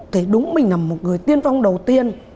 thì đúng mình là một người tiên phong đầu tiên